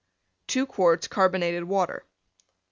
2 quarts Carbonated Water.